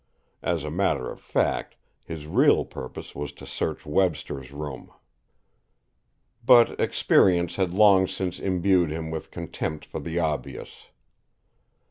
As a matter of fact, his real purpose was to search Webster's room. But experience had long since imbued him with contempt for the obvious.